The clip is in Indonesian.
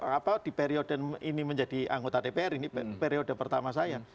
apa di periode ini menjadi anggota dpr ini periode pertama saya